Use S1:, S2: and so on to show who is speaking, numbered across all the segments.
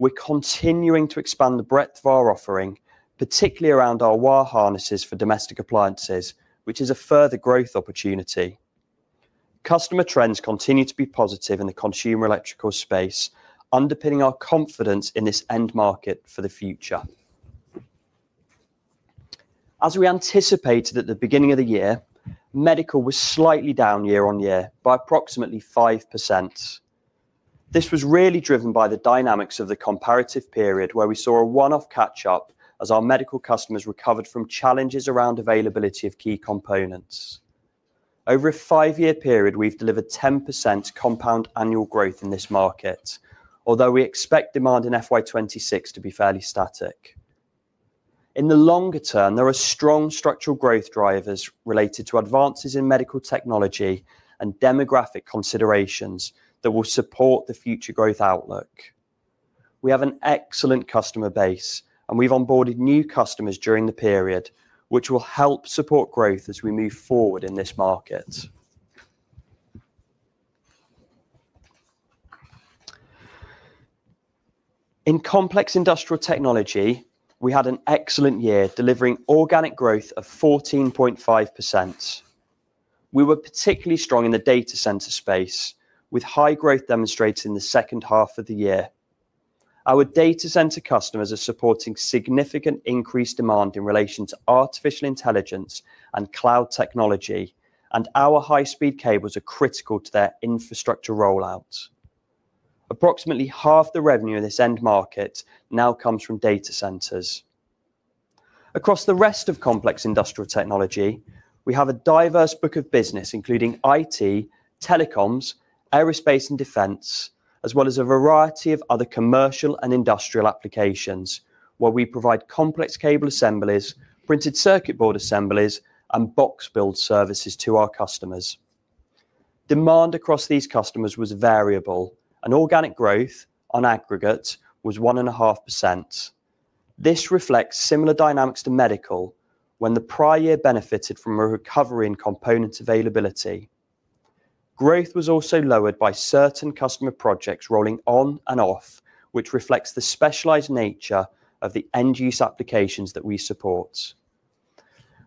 S1: We're continuing to expand the breadth of our offering, particularly around our wire harnesses for domestic appliances, which is a further growth opportunity. Customer trends continue to be positive in the consumer electrical space, underpinning our confidence in this end market for the future. As we anticipated at the beginning of the year, medical was slightly down year on year by approximately 5%. This was really driven by the dynamics of the comparative period, where we saw a one-off catch-up as our medical customers recovered from challenges around availability of key components. Over a five-year period, we've delivered 10% compound annual growth in this market, although we expect demand in FY 2026 to be fairly static. In the longer term, there are strong structural growth drivers related to advances in medical technology and demographic considerations that will support the future growth outlook. We have an excellent customer base, and we've onboarded new customers during the period, which will help support growth as we move forward in this market. In complex industrial technology, we had an excellent year, delivering organic growth of 14.5%. We were particularly strong in the data center space, with high growth demonstrated in the second half of the year. Our data center customers are supporting significant increased demand in relation to artificial intelligence and cloud technology, and our high-speed cables are critical to their infrastructure rollout. Approximately half the revenue in this end market now comes from data centers. Across the rest of complex industrial technology, we have a diverse book of business, including IT, telecoms, aerospace, and defense, as well as a variety of other commercial and industrial applications, where we provide complex cable assemblies, printed circuit board assemblies, and box build services to our customers. Demand across these customers was variable, and organic growth on aggregate was 1.5%. This reflects similar dynamics to medical, when the prior year benefited from a recovery in components availability. Growth was also lowered by certain customer projects rolling on and off, which reflects the specialized nature of the end-use applications that we support.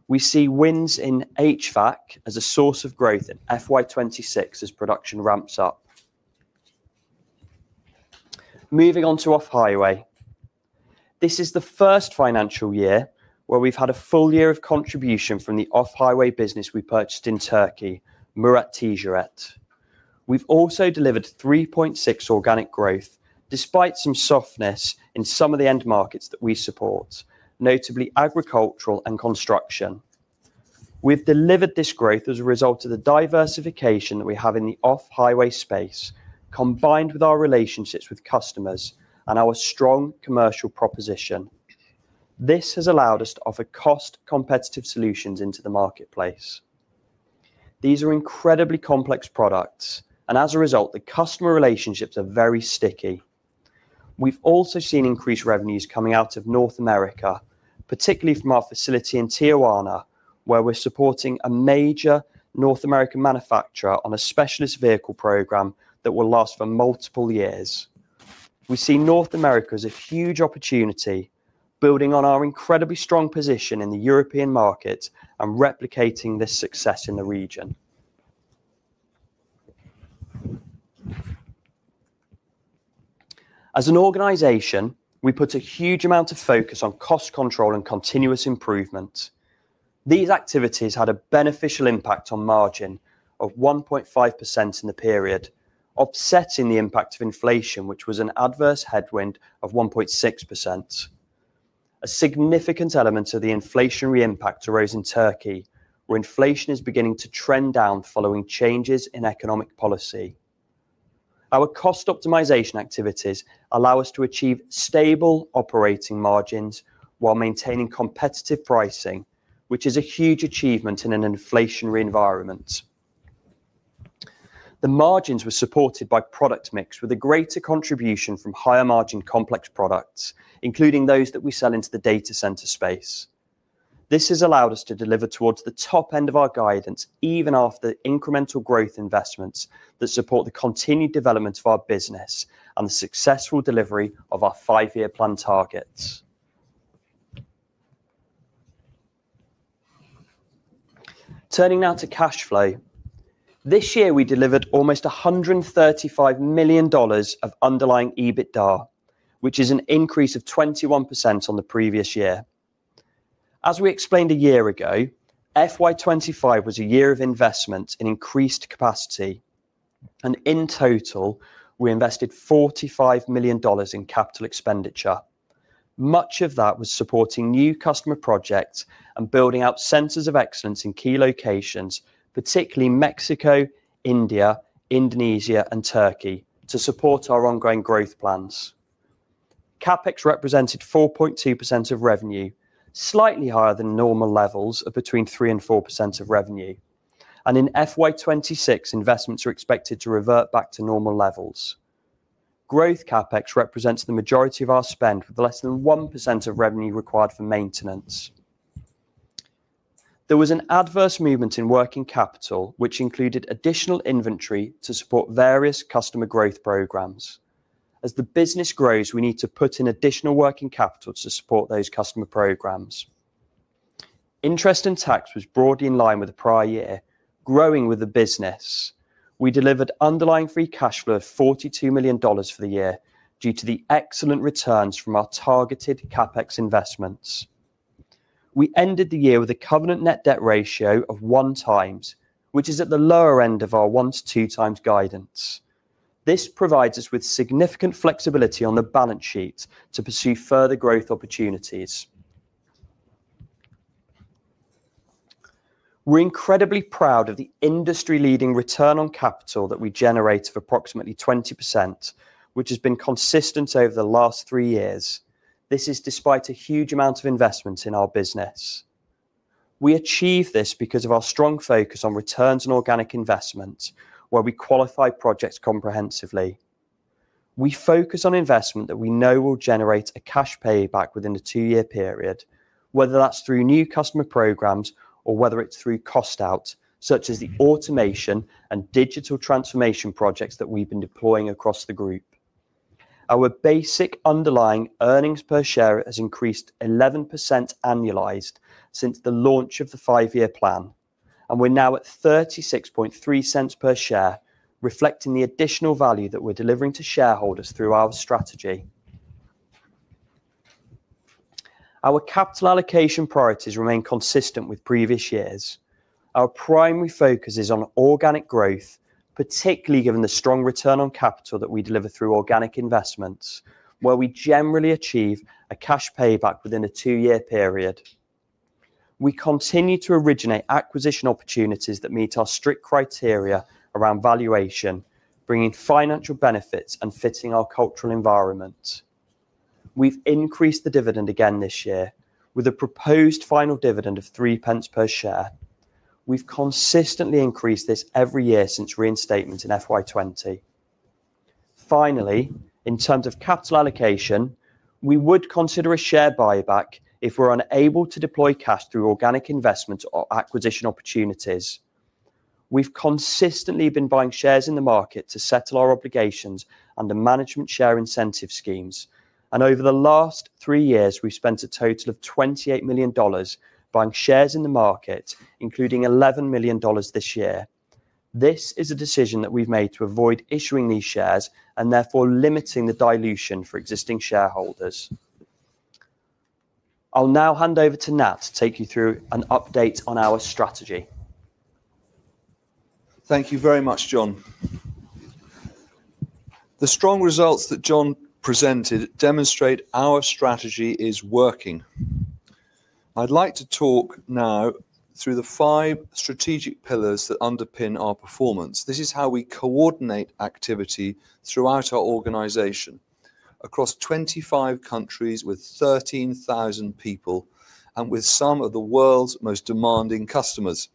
S1: We see wins in HVAC as a source of growth in FY 2026 as production ramps up. Moving on to off-highway, this is the first financial year where we've had a full year of contribution from the off-highway business we purchased in Türkiye, Murat Ticaret. We've also delivered 3.6% organic growth, despite some softness in some of the end markets that we support, notably agricultural and construction. We've delivered this growth as a result of the diversification that we have in the off-highway space, combined with our relationships with customers and our strong commercial proposition. This has allowed us to offer cost-competitive solutions into the marketplace. These are incredibly complex products, and as a result, the customer relationships are very sticky. We've also seen increased revenues coming out of North America, particularly from our facility in Tijuana, where we're supporting a major North American manufacturer on a specialist vehicle program that will last for multiple years. We see North America as a huge opportunity, building on our incredibly strong position in the European market and replicating this success in the region. As an organization, we put a huge amount of focus on cost control and continuous improvement. These activities had a beneficial impact on margin of 1.5% in the period, offsetting the impact of inflation, which was an adverse headwind of 1.6%. A significant element of the inflationary impact arose in Türkiye, where inflation is beginning to trend down following changes in economic policy. Our cost optimization activities allow us to achieve stable operating margins while maintaining competitive pricing, which is a huge achievement in an inflationary environment. The margins were supported by product mix, with a greater contribution from higher-margin complex products, including those that we sell into the data center space. This has allowed us to deliver towards the top end of our guidance, even after incremental growth investments that support the continued development of our business and the successful delivery of our five-year plan targets. Turning now to cash flow, this year we delivered almost $135 million of underlying EBITDA, which is an increase of 21% on the previous year. As we explained a year ago, FY 2025 was a year of investment in increased capacity, and in total, we invested $45 million in capital expenditure. Much of that was supporting new customer projects and building out centers of excellence in key locations, particularly Mexico, India, Indonesia, and Türkiye, to support our ongoing growth plans. CapEx represented 4.2% of revenue, slightly higher than normal levels of between 3% and 4% of revenue, and in FY 2026, investments are expected to revert back to normal levels. Growth CapEx represents the majority of our spend, with less than 1% of revenue required for maintenance. There was an adverse movement in working capital, which included additional inventory to support various customer growth programs. As the business grows, we need to put in additional working capital to support those customer programs. Interest and tax was broadly in line with the prior year, growing with the business. We delivered underlying free cash flow of $42 million for the year due to the excellent returns from our targeted CapEx investments. We ended the year with a covenant net debt ratio of one times, which is at the lower end of our one-to-two times guidance. This provides us with significant flexibility on the balance sheet to pursue further growth opportunities. We're incredibly proud of the industry-leading return on capital that we generate of approximately 20%, which has been consistent over the last three years. This is despite a huge amount of investment in our business. We achieve this because of our strong focus on returns and organic investments, where we qualify projects comprehensively. We focus on investment that we know will generate a cash payback within the two-year period, whether that's through new customer programs or whether it's through cost-out, such as the automation and digital transformation projects that we've been deploying across the group. Our basic underlying earnings per share has increased 11% annualized since the launch of the five-year plan, and we're now at $0.363 per share, reflecting the additional value that we're delivering to shareholders through our strategy. Our capital allocation priorities remain consistent with previous years. Our primary focus is on organic growth, particularly given the strong return on capital that we deliver through organic investments, where we generally achieve a cash payback within a two-year period. We continue to originate acquisition opportunities that meet our strict criteria around valuation, bringing financial benefits and fitting our cultural environment. We've increased the dividend again this year, with a proposed final dividend of 0.03 per share. We've consistently increased this every year since reinstatement in FY 2020. Finally, in terms of capital allocation, we would consider a share buyback if we're unable to deploy cash through organic investment or acquisition opportunities. We've consistently been buying shares in the market to settle our obligations under management share incentive schemes, and over the last three years, we've spent a total of $28 million buying shares in the market, including $11 million this year. This is a decision that we've made to avoid issuing these shares and therefore limiting the dilution for existing shareholders. I'll now hand over to Nat to take you through an update on our strategy.
S2: Thank you very much, Jon. The strong results that Jon presented demonstrate our strategy is working. I'd like to talk now through the five strategic pillars that underpin our performance. This is how we coordinate activity throughout our organization across 25 countries with 13,000 people and with some of the world's most demanding customers.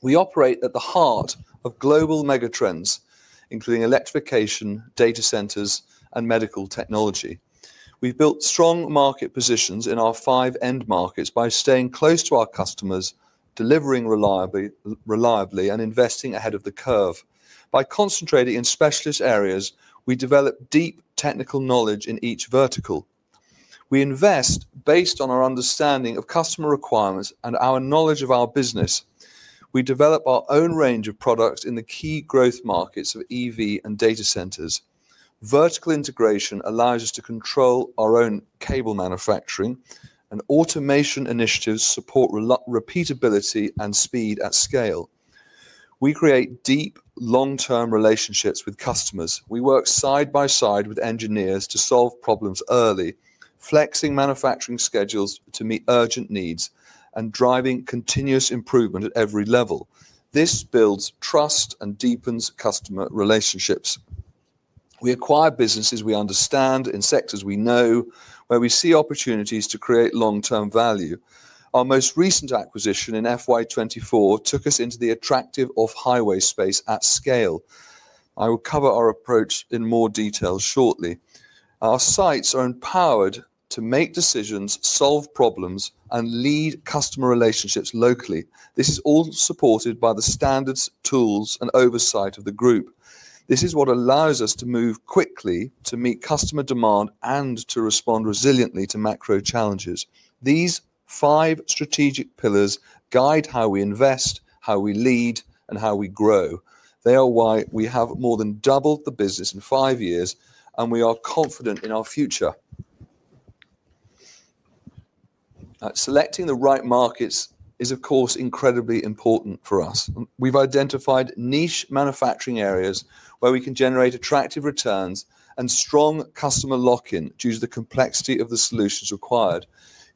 S2: We operate at the heart of global megatrends, including electrification, data centers, and medical technology. We've built strong market positions in our five end markets by staying close to our customers, delivering reliably, and investing ahead of the curve. By concentrating in specialist areas, we develop deep technical knowledge in each vertical. We invest based on our understanding of customer requirements and our knowledge of our business. We develop our own range of products in the key growth markets of EV and data centers. Vertical integration allows us to control our own cable manufacturing, and automation initiatives support repeatability and speed at scale. We create deep long-term relationships with customers. We work side by side with engineers to solve problems early, flexing manufacturing schedules to meet urgent needs, and driving continuous improvement at every level. This builds trust and deepens customer relationships. We acquire businesses we understand in sectors we know, where we see opportunities to create long-term value. Our most recent acquisition in FY 2024 took us into the attractive off-highway space at scale. I will cover our approach in more detail shortly. Our sites are empowered to make decisions, solve problems, and lead customer relationships locally. This is all supported by the standards, tools, and oversight of the group. This is what allows us to move quickly to meet customer demand and to respond resiliently to macro challenges. These five strategic pillars guide how we invest, how we lead, and how we grow. They are why we have more than doubled the business in five years, and we are confident in our future. Selecting the right markets is, of course, incredibly important for us. We've identified niche manufacturing areas where we can generate attractive returns and strong customer lock-in due to the complexity of the solutions required.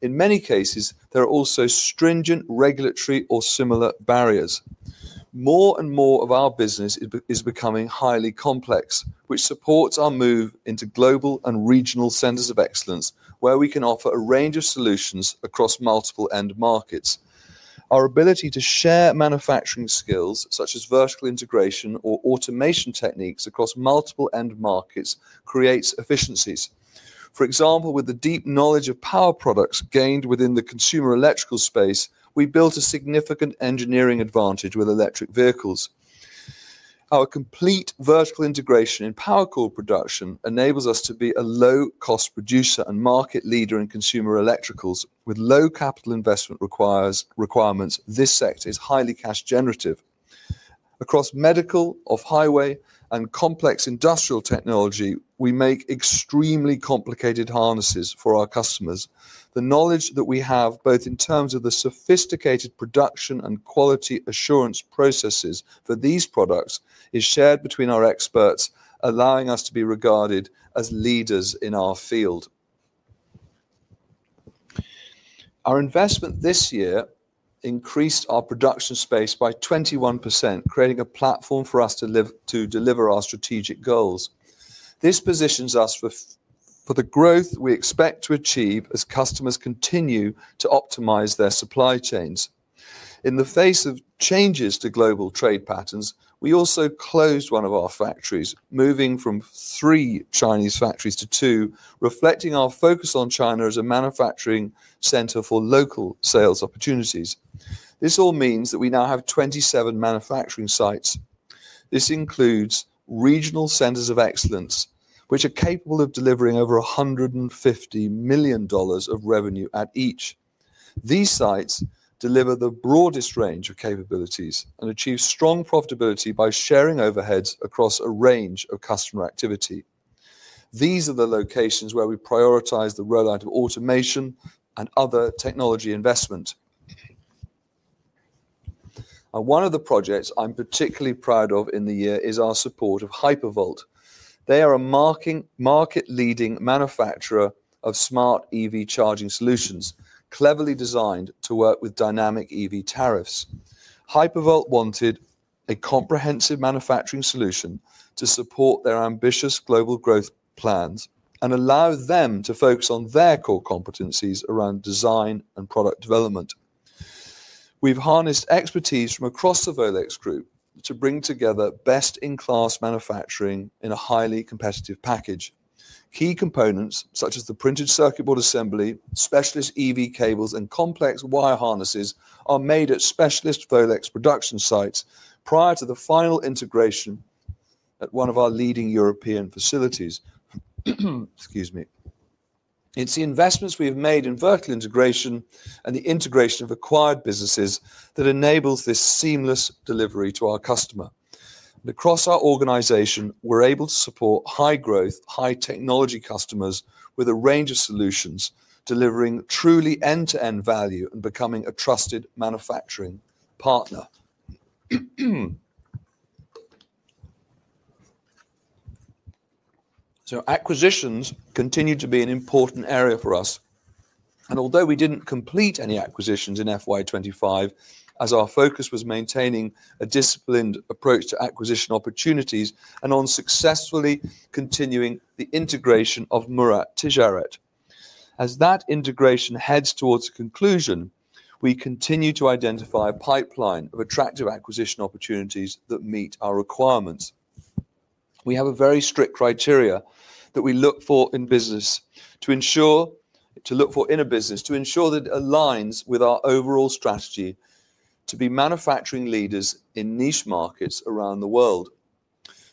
S2: In many cases, there are also stringent regulatory or similar barriers. More and more of our business is becoming highly complex, which supports our move into global and regional centers of excellence, where we can offer a range of solutions across multiple end markets. Our ability to share manufacturing skills, such as vertical integration or automation techniques across multiple end markets, creates efficiencies. For example, with the deep knowledge of power products gained within the consumer electrical space, we built a significant engineering advantage with electric vehicles. Our complete vertical integration in power core production enables us to be a low-cost producer and market leader in consumer electricals. With low capital investment requirements, this sector is highly cash-generative. Across medical, off-highway, and complex industrial technology, we make extremely complicated harnesses for our customers. The knowledge that we have, both in terms of the sophisticated production and quality assurance processes for these products, is shared between our experts, allowing us to be regarded as leaders in our field. Our investment this year increased our production space by 21%, creating a platform for us to deliver our strategic goals. This positions us for the growth we expect to achieve as customers continue to optimize their supply chains. In the face of changes to global trade patterns, we also closed one of our factories, moving from three Chinese factories to two, reflecting our focus on China as a manufacturing center for local sales opportunities. This all means that we now have 27 manufacturing sites. This includes regional centers of excellence, which are capable of delivering over $150 million of revenue at each. These sites deliver the broadest range of capabilities and achieve strong profitability by sharing overheads across a range of customer activity. These are the locations where we prioritize the rollout of automation and other technology investment. One of the projects I'm particularly proud of in the year is our support of Hypervolt. They are a market-leading manufacturer of smart EV charging solutions, cleverly designed to work with dynamic EV tariffs. Hypervolt wanted a comprehensive manufacturing solution to support their ambitious global growth plans and allow them to focus on their core competencies around design and product development. We've harnessed expertise from across the Volex Group to bring together best-in-class manufacturing in a highly competitive package. Key components, such as the printed circuit board assembly, specialist EV cables, and complex wire harnesses, are made at specialist Volex production sites prior to the final integration at one of our leading European facilities. Excuse me. It's the investments we have made in vertical integration and the integration of acquired businesses that enables this seamless delivery to our customer. Across our organization, we're able to support high-growth, high-technology customers with a range of solutions, delivering truly end-to-end value and becoming a trusted manufacturing partner. Acquisitions continue to be an important area for us. Although we did not complete any acquisitions in FY 2025, our focus was maintaining a disciplined approach to acquisition opportunities and on successfully continuing the integration of Murat Ticaret. As that integration heads towards conclusion, we continue to identify a pipeline of attractive acquisition opportunities that meet our requirements. We have a very strict criteria that we look for in a business to ensure that it aligns with our overall strategy to be manufacturing leaders in niche markets around the world.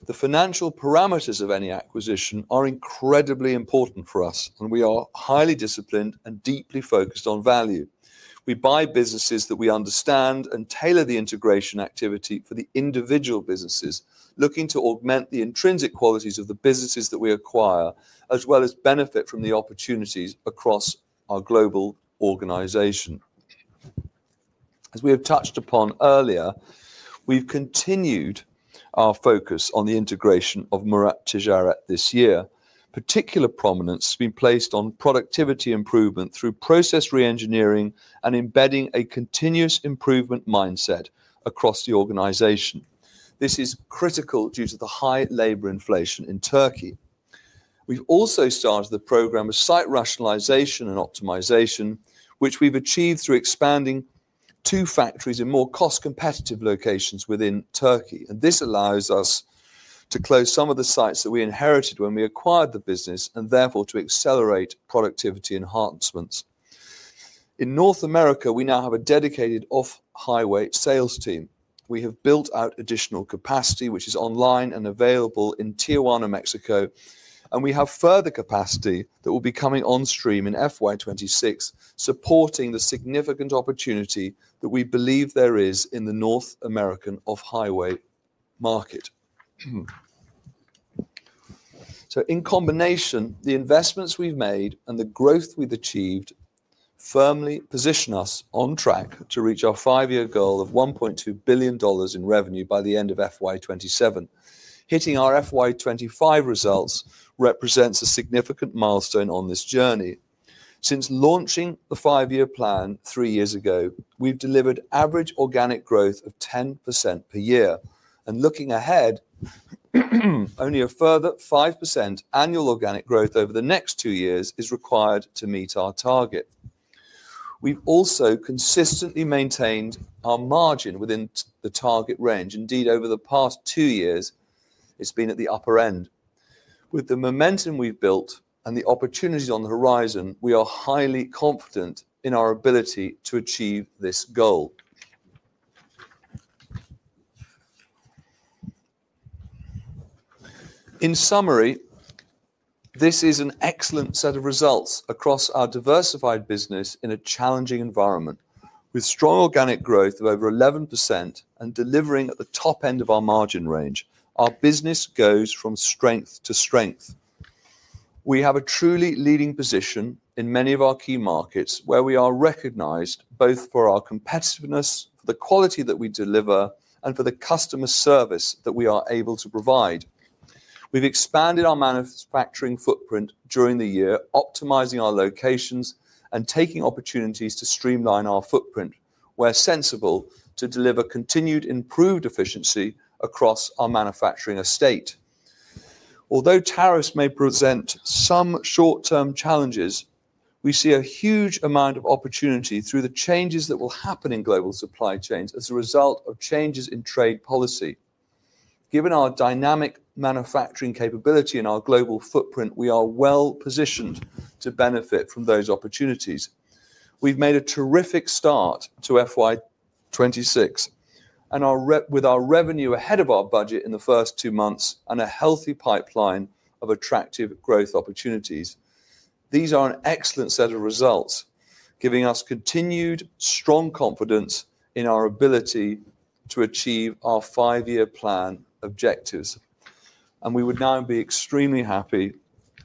S2: The financial parameters of any acquisition are incredibly important for us, and we are highly disciplined and deeply focused on value. We buy businesses that we understand and tailor the integration activity for the individual businesses, looking to augment the intrinsic qualities of the businesses that we acquire, as well as benefit from the opportunities across our global organization. As we have touched upon earlier, we've continued our focus on the integration of Murat Ticaret this year. Particular prominence has been placed on productivity improvement through process re-engineering and embedding a continuous improvement mindset across the organization. This is critical due to the high labor inflation in Türkiye. We've also started the program of site rationalization and optimization, which we've achieved through expanding two factories in more cost-competitive locations within Türkiye. This allows us to close some of the sites that we inherited when we acquired the business and therefore to accelerate productivity enhancements. In North America, we now have a dedicated off-highway sales team. We have built out additional capacity, which is online and available in Tijuana, Mexico, and we have further capacity that will be coming on stream in FY 2026, supporting the significant opportunity that we believe there is in the North American off-highway market. In combination, the investments we've made and the growth we've achieved firmly position us on track to reach our five-year goal of $1.2 billion in revenue by the end of FY 2027. Hitting our FY 2025 results represents a significant milestone on this journey. Since launching the five-year plan three years ago, we've delivered average organic growth of 10% per year. Looking ahead, only a further 5% annual organic growth over the next two years is required to meet our target. We've also consistently maintained our margin within the target range. Indeed, over the past two years, it's been at the upper end. With the momentum we've built and the opportunities on the horizon, we are highly confident in our ability to achieve this goal. In summary, this is an excellent set of results across our diversified business in a challenging environment. With strong organic growth of over 11% and delivering at the top end of our margin range, our business goes from strength to strength. We have a truly leading position in many of our key markets where we are recognized both for our competitiveness, for the quality that we deliver, and for the customer service that we are able to provide. We've expanded our manufacturing footprint during the year, optimizing our locations and taking opportunities to streamline our footprint where sensible to deliver continued improved efficiency across our manufacturing estate. Although tariffs may present some short-term challenges, we see a huge amount of opportunity through the changes that will happen in global supply chains as a result of changes in trade policy. Given our dynamic manufacturing capability and our global footprint, we are well positioned to benefit from those opportunities. We've made a terrific start to FY 2026, and with our revenue ahead of our budget in the first two months and a healthy pipeline of attractive growth opportunities, these are an excellent set of results, giving us continued strong confidence in our ability to achieve our five-year plan objectives. We would now be extremely happy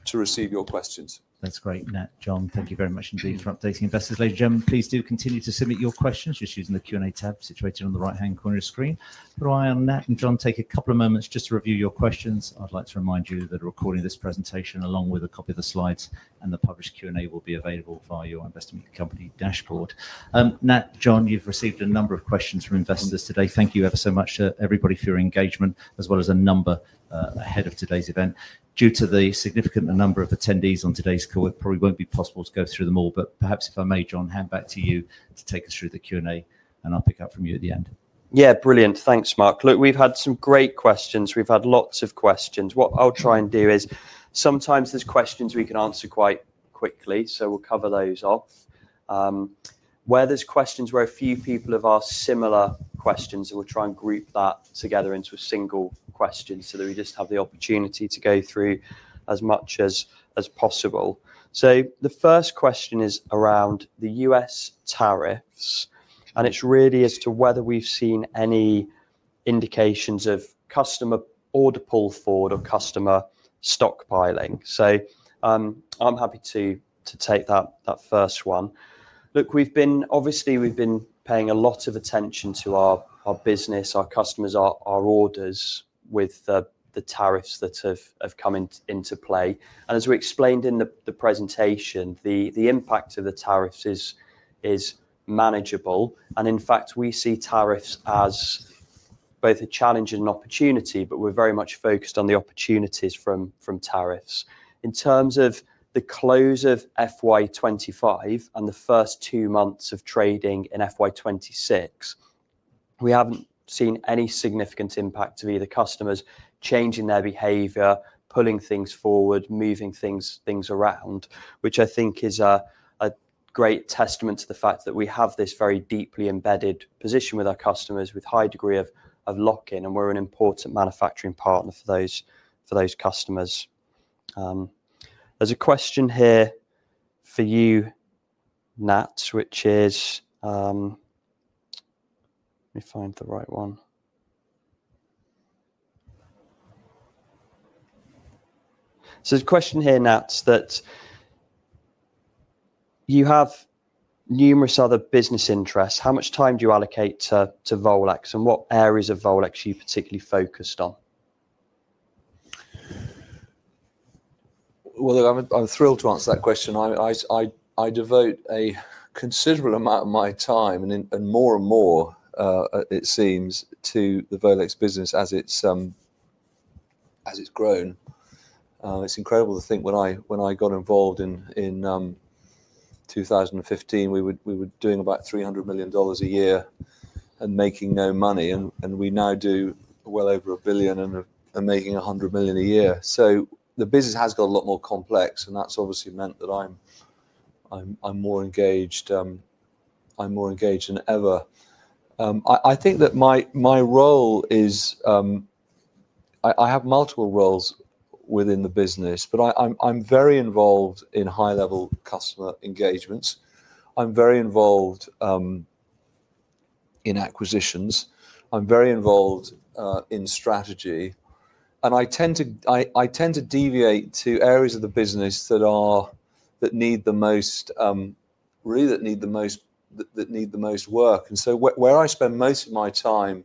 S2: to receive your questions.
S3: That's great, Nat and Jon. Thank you very much indeed for updating investors. Ladies and gentlemen, please do continue to submit your questions just using the Q&A tab situated on the right-hand corner of your screen. While Nat and Jon take a couple of moments just to review your questions, I'd like to remind you that a recording of this presentation, along with a copy of the slides and the published Q&A, will be available via your investment company dashboard. Nat and Jon, you've received a number of questions from investors today. Thank you ever so much to everybody for your engagement, as well as a number ahead of today's event. Due to the significant number of attendees on today's call, it probably won't be possible to go through them all. Perhaps if I may, Jon, hand back to you to take us through the Q&A, and I'll pick up from you at the end.
S1: Yeah, brilliant. Thanks, Mark. Look, we've had some great questions. We've had lots of questions. What I'll try and do is sometimes there's questions we can answer quite quickly, so we'll cover those off. Where there's questions where a few people have asked similar questions, we'll try and group that together into a single question so that we just have the opportunity to go through as much as possible. The first question is around the U.S. tariffs, and it's really as to whether we've seen any indications of customer order pull forward or customer stockpiling. I'm happy to take that first one. Look, obviously, we've been paying a lot of attention to our business, our customers, our orders with the tariffs that have come into play. As we explained in the presentation, the impact of the tariffs is manageable. In fact, we see tariffs as both a challenge and an opportunity, but we're very much focused on the opportunities from tariffs. In terms of the close of FY 2025 and the first two months of trading in FY 2026, we haven't seen any significant impact of either customers changing their behavior, pulling things forward, moving things around, which I think is a great testament to the fact that we have this very deeply embedded position with our customers with a high degree of lock-in, and we're an important manufacturing partner for those customers. There's a question here for you, Nat, which is let me find the right one. There's a question here, Nat, that you have numerous other business interests. How much time do you allocate to Volex, and what areas of Volex are you particularly focused on?
S2: I'm thrilled to answer that question. I devote a considerable amount of my time, and more and more, it seems, to the Volex business as it's grown. It's incredible to think when I got involved in 2015, we were doing about $300 million a year and making no money, and we now do well over a billion and making $100 million a year. The business has got a lot more complex, and that's obviously meant that I'm more engaged than ever. I think that my role is I have multiple roles within the business, but I'm very involved in high-level customer engagements. I'm very involved in acquisitions. I'm very involved in strategy. I tend to deviate to areas of the business that need the most, really that need the most work. Where I spend most of my time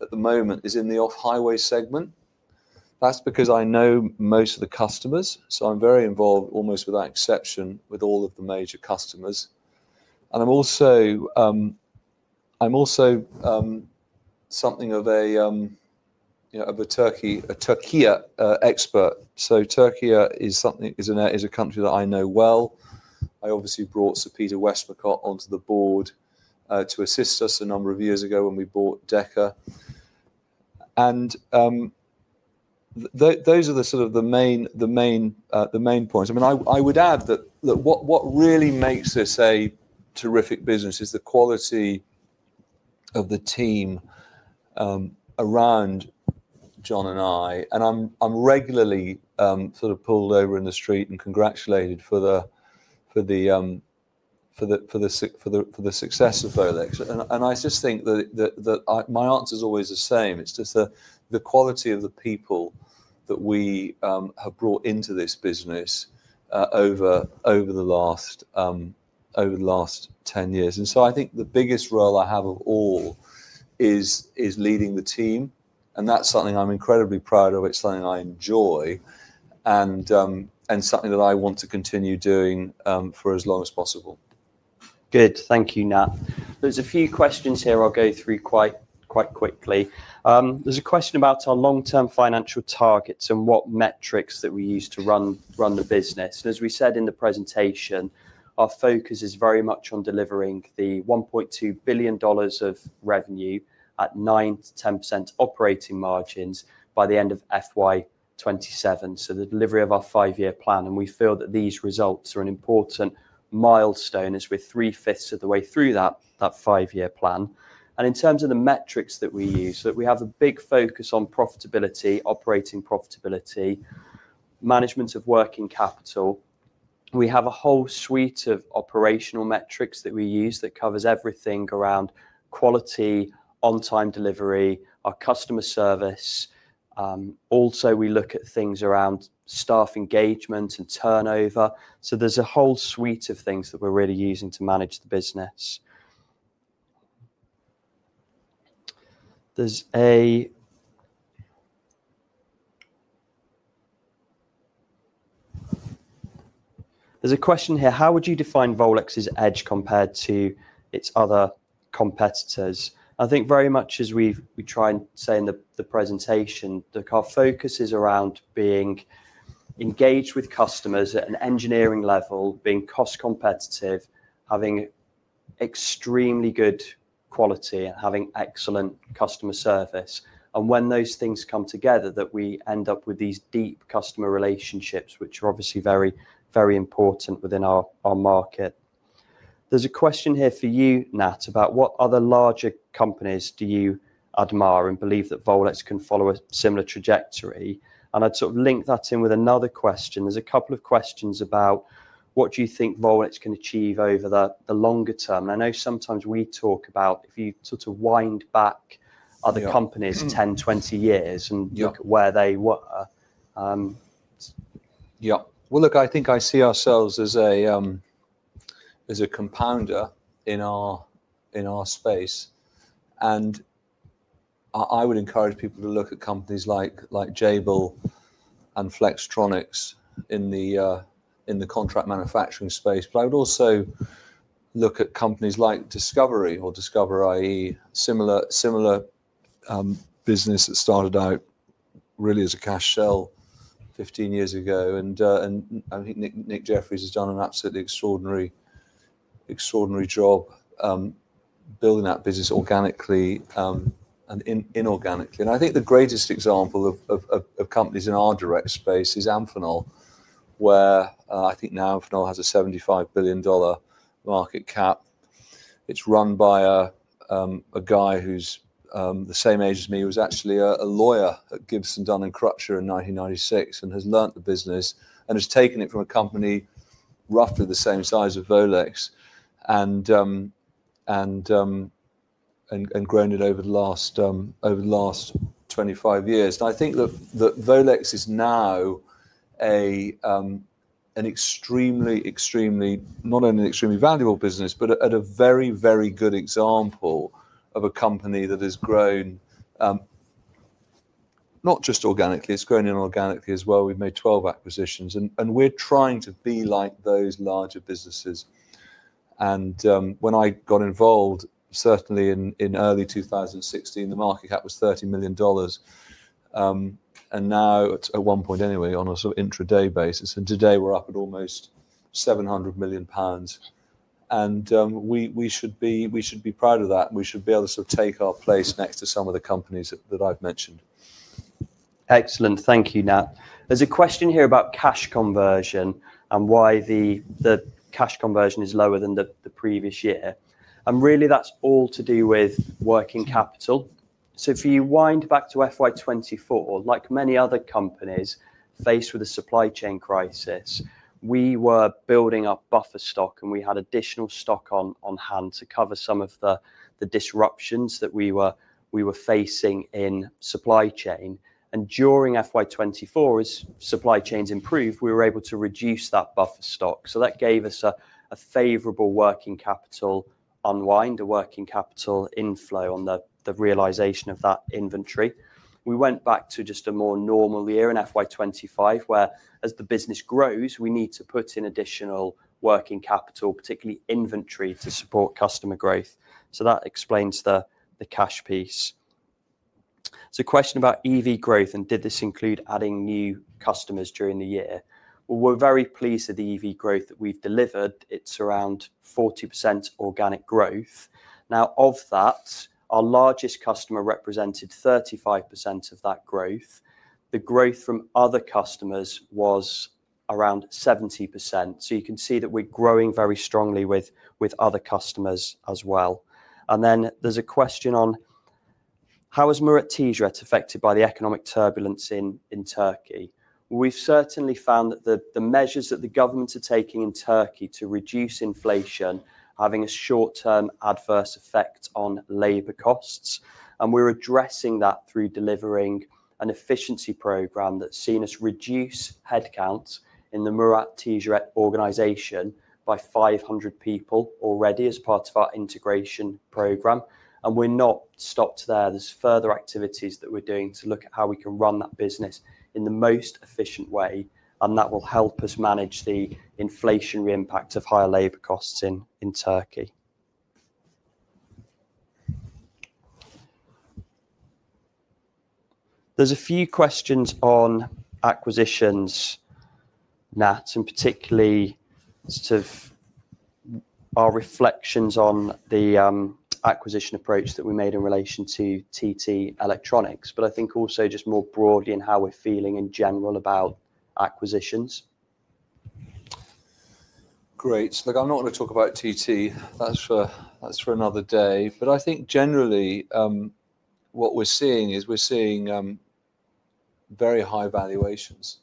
S2: at the moment is in the off-highway segment. That's because I know most of the customers. I'm very involved, almost without exception, with all of the major customers. I'm also something of a Türkiye expert. Türkiye is a country that I know well. I obviously brought Sir Peter Westmacott onto the board to assist us a number of years ago when we bought Dekker. Those are sort of the main points. I mean, I would add that what really makes this a terrific business is the quality of the team around Jon and I. I'm regularly sort of pulled over in the street and congratulated for the success of Volex. I just think that my answer is always the same. It's just the quality of the people that we have brought into this business over the last 10 years. I think the biggest role I have of all is leading the team, and that's something I'm incredibly proud of. It's something I enjoy and something that I want to continue doing for as long as possible.
S1: Good. Thank you, Nat. There's a few questions here I'll go through quite quickly. There's a question about our long-term financial targets and what metrics that we use to run the business. As we said in the presentation, our focus is very much on delivering the $1.2 billion of revenue at 9%-10% operating margins by the end of FY 2027, so the delivery of our five-year plan. We feel that these results are an important milestone as we're three-fifths of the way through that five-year plan. In terms of the metrics that we use, we have a big focus on profitability, operating profitability, management of working capital. We have a whole suite of operational metrics that we use that covers everything around quality, on-time delivery, our customer service. Also, we look at things around staff engagement and turnover. There is a whole suite of things that we are really using to manage the business. There is a question here. How would you define Volex's edge compared to its other competitors? I think very much as we try and say in the presentation that our focus is around being engaged with customers at an engineering level, being cost-competitive, having extremely good quality, and having excellent customer service. When those things come together, we end up with these deep customer relationships, which are obviously very important within our market. There is a question here for you, Nat, about what other larger companies do you admire and believe that Volex can follow a similar trajectory? I would sort of link that in with another question. There are a couple of questions about what do you think Volex can achieve over the longer term? I know sometimes we talk about if you sort of wind back other companies 10, 20 years and look at where they were.
S2: Yeah. I think I see ourselves as a compounder in our space. I would encourage people to look at companies like Jabil and Flextronics in the contract manufacturing space. I would also look at companies like discoverIE, similar business that started out really as a cash shell 15 years ago. I think Nick Jefferies has done an absolutely extraordinary job building that business organically and inorganically. I think the greatest example of companies in our direct space is Amphenol, where I think now Amphenol has a $75 billion market cap. It's run by a guy who's the same age as me. He was actually a lawyer at Gibson, Dunn & Crutcher in 1996 and has learned the business and has taken it from a company roughly the same size as Volex and grown it over the last 25 years. I think that Volex is now an extremely, extremely, not only an extremely valuable business, but a very, very good example of a company that has grown not just organically, it has grown inorganically as well. We have made 12 acquisitions, and we are trying to be like those larger businesses. When I got involved, certainly in early 2016, the market cap was $30 million. Now, at one point anyway, on a sort of intra-day basis. Today, we are up at almost 700 million pounds. We should be proud of that, and we should be able to sort of take our place next to some of the companies that I have mentioned.
S1: Excellent. Thank you, Nat. There is a question here about cash conversion and why the cash conversion is lower than the previous year. That is all to do with working capital. If you wind back to FY 2024, like many other companies faced with a supply chain crisis, we were building up buffer stock, and we had additional stock on hand to cover some of the disruptions that we were facing in supply chain. During FY 2024, as supply chains improved, we were able to reduce that buffer stock. That gave us a favorable working capital unwind, a working capital inflow on the realization of that inventory. We went back to just a more normal year in FY 2025, where, as the business grows, we need to put in additional working capital, particularly inventory, to support customer growth. That explains the cash piece. There's a question about EV growth, and did this include adding new customers during the year? We are very pleased with the EV growth that we've delivered. It's around 40% organic growth. Of that, our largest customer represented 35% of that growth. The growth from other customers was around 70%. You can see that we're growing very strongly with other customers as well. There's a question on how has Murat Ticaret been affected by the economic turbulence in Türkiye? We've certainly found that the measures that the government are taking in Türkiye to reduce inflation are having a short-term adverse effect on labor costs. We are addressing that through delivering an efficiency program that's seen us reduce headcount in the Murat Ticaret organization by 500 people already as part of our integration program. We're not stopped there. are further activities that we are doing to look at how we can run that business in the most efficient way, and that will help us manage the inflationary impact of higher labor costs in Türkiye. There are a few questions on acquisitions, Nat, and particularly sort of our reflections on the acquisition approach that we made in relation to TT Electronics, but I think also just more broadly in how we are feeling in general about acquisitions.
S2: Great. Look, I am not going to talk about TT. That is for another day. I think, generally, what we are seeing is we are seeing very high valuations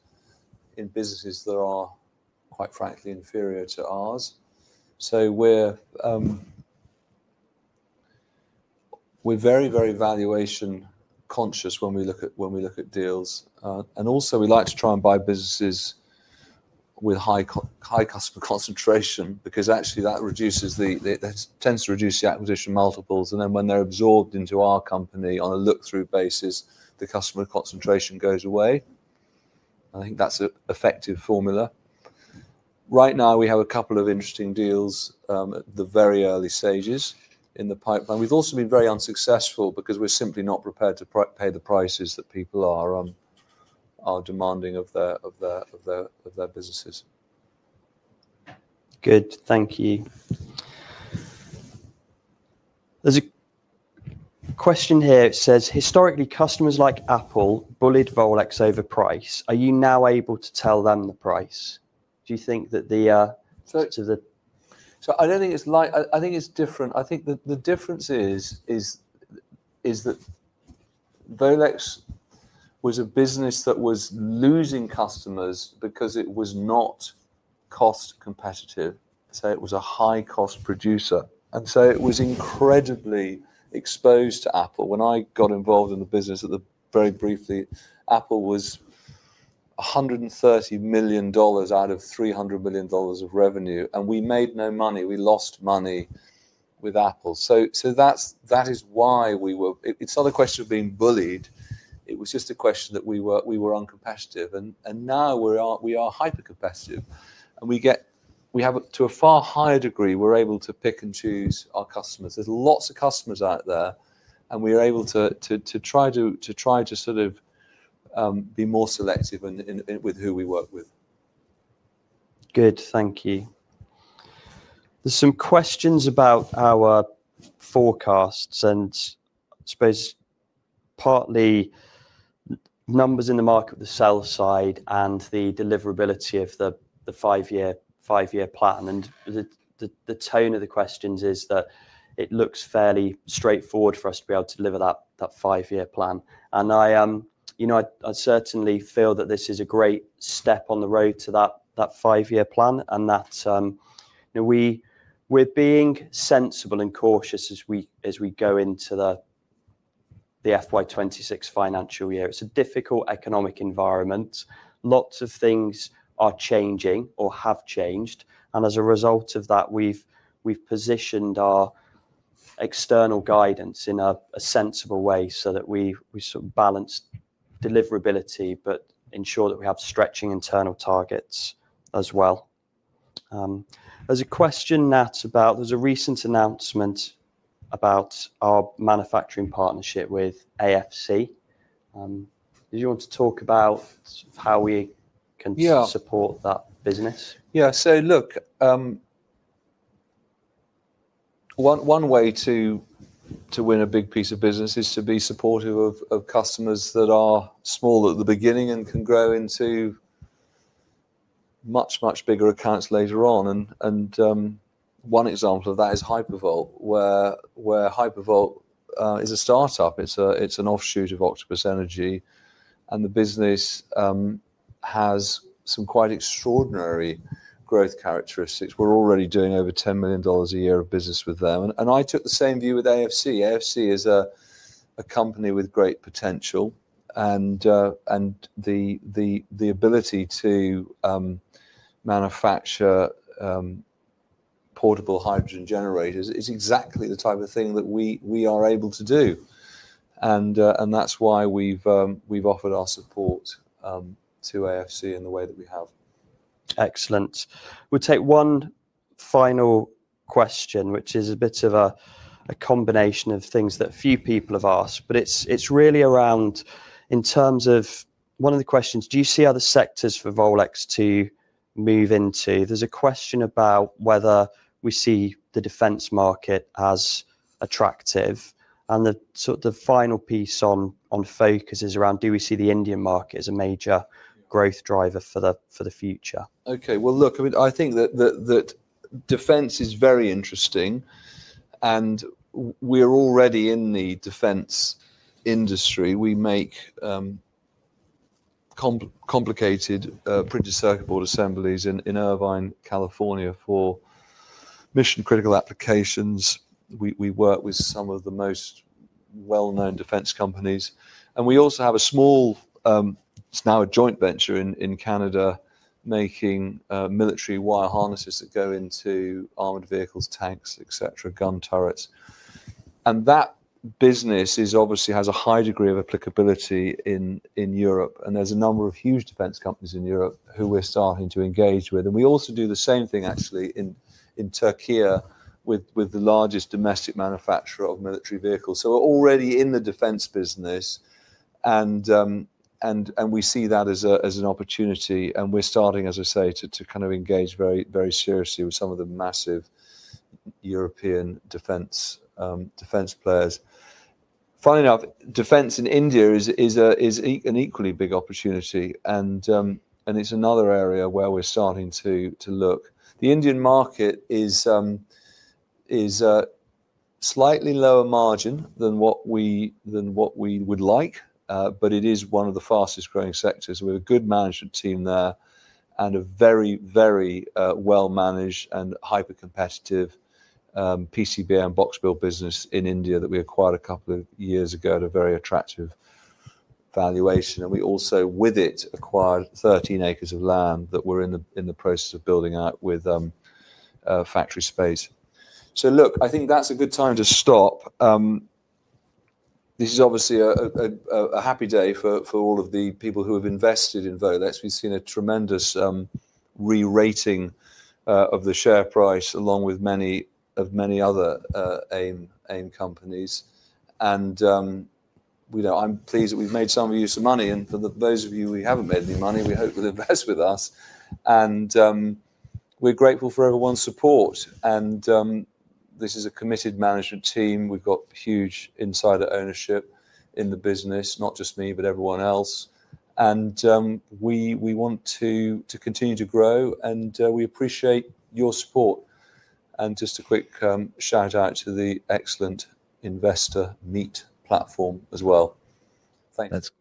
S2: in businesses that are, quite frankly, inferior to ours. We are very, very valuation conscious when we look at deals. Also, we like to try and buy businesses with high customer concentration because, actually, that tends to reduce the acquisition multiples. Then when they're absorbed into our company on a look-through basis, the customer concentration goes away. I think that's an effective formula. Right now, we have a couple of interesting deals at the very early stages in the pipeline. We've also been very unsuccessful because we're simply not prepared to pay the prices that people are demanding of their businesses.
S1: Good. Thank you. There's a question here. It says, "Historically, customers like Apple bullied Volex over price. Are you now able to tell them the price?" Do you think that the sort of the—
S2: I don't think it's like—I think it's different. I think the difference is that Volex was a business that was losing customers because it was not cost-competitive. It was a high-cost producer. It was incredibly exposed to Apple. When I got involved in the business, very briefly, Apple was $130 million out of $300 million of revenue. And we made no money. We lost money with Apple. That is why we were, it's not a question of being bullied. It was just a question that we were uncompetitive. Now, we are hyper-competitive. We get, to a far higher degree, we're able to pick and choose our customers. There are lots of customers out there, and we are able to try to sort of be more selective with who we work with.
S1: Good. Thank you. There are some questions about our forecasts and, I suppose, partly numbers in the market with the sell side and the deliverability of the five-year plan. The tone of the questions is that it looks fairly straightforward for us to be able to deliver that five-year plan. I certainly feel that this is a great step on the road to that five-year plan. We're being sensible and cautious as we go into the FY 2026 financial year. It's a difficult economic environment. Lots of things are changing or have changed. As a result of that, we've positioned our external guidance in a sensible way so that we sort of balance deliverability but ensure that we have stretching internal targets as well. There's a question, Nat, about there's a recent announcement about our manufacturing partnership with AFC. Did you want to talk about how we can support that business?
S2: Yeah. One way to win a big piece of business is to be supportive of customers that are small at the beginning and can grow into much, much bigger accounts later on. One example of that is Hypervolt, where Hypervolt is a startup. It's an offshoot of Octopus Energy. The business has some quite extraordinary growth characteristics. We're already doing over $10 million a year of business with them. I took the same view with AFC. AFC is a company with great potential. The ability to manufacture portable hydrogen generators is exactly the type of thing that we are able to do. That's why we've offered our support to AFC in the way that we have.
S1: Excellent. We'll take one final question, which is a bit of a combination of things that a few people have asked, but it's really around, in terms of one of the questions, do you see other sectors for Volex to move into? There's a question about whether we see the defense market as attractive. The sort of final piece on focus is around, do we see the Indian market as a major growth driver for the future?
S2: Okay. I mean, I think that defense is very interesting. We're already in the defense industry. We make complicated printed circuit board assemblies in Irvine, California for mission-critical applications. We work with some of the most well-known defense companies. We also have a small, it's now a joint venture in Canada, making military wire harnesses that go into armored vehicles, tanks, etc., gun turrets. That business obviously has a high degree of applicability in Europe. There are a number of huge defense companies in Europe who we're starting to engage with. We also do the same thing, actually, in Türkiye with the largest domestic manufacturer of military vehicles. We're already in the defense business, and we see that as an opportunity. We're starting, as I say, to kind of engage very seriously with some of the massive European defense players. Funnily enough, defense in India is an equally big opportunity. It is another area where we're starting to look. The Indian market is slightly lower margin than what we would like, but it is one of the fastest-growing sectors. We have a good management team there and a very, very well-managed and hyper-competitive PCB and box build business in India that we acquired a couple of years ago at a very attractive valuation. We also, with it, acquired 13 acres of land that we're in the process of building out with factory space. I think that's a good time to stop. This is obviously a happy day for all of the people who have invested in Volex. We've seen a tremendous re-rating of the share price along with many other AIM companies. I'm pleased that we've made some of you some money. For those of you who haven't made any money, we hope you'll invest with us. We're grateful for everyone's support. This is a committed management team. We've got huge insider ownership in the business, not just me, but everyone else. We want to continue to grow. We appreciate your support. Just a quick shout-out to the excellent Investor Meet platform as well. Thanks.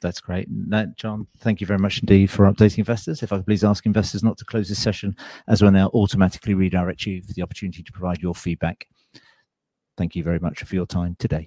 S3: That's great. Nat, Jon, thank you very much indeed for updating investors. If I could please ask investors not to close this session as you'll automatically be redirected for the opportunity to provide your feedback. Thank you very much for your time today.